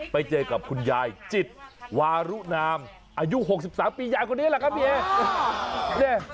ไปเจอกับคุณยายจิตวารุนามอายุ๖๓ปียายคนนี้แหละครับพี่เอ